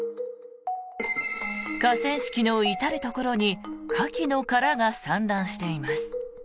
河川敷の至るところにカキの殻が散乱しています。